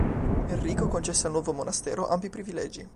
Enrico concesse al nuovo monastero ampi privilegi.